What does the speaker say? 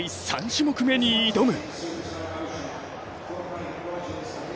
３種目めに挑む。